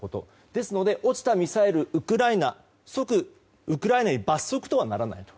ですので落ちたミサイルがウクライナだとして即ウクライナに罰則とはならないと。